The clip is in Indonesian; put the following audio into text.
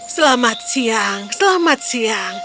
selamat siang selamat siang